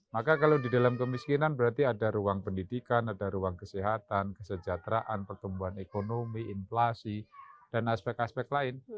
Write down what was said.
maka kalau di dalam kemiskinan berarti ada ruang pendidikan ada ruang kesehatan kesejahteraan pertumbuhan ekonomi inflasi dan aspek aspek lain